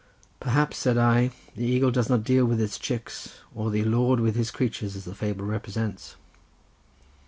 "Perhaps," said I, "the eagle does not deal with his chicks, or the Lord with His creatures as the fable represents."